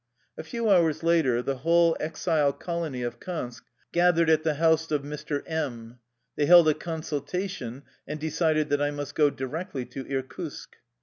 A few hours later the whole exile colony of Kansk gathered at the house of Mr. M . They held a consultation and decided that I must go directly to Irkutsk.